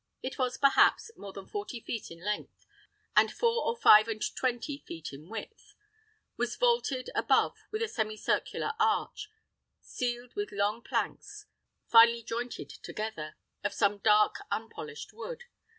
It was, perhaps, more than forty feet in length, and four or five and twenty feet in width: was vaulted above with a semicircular arch, ceiled with long planks, finely jointed together, of some dark, unpolished wood.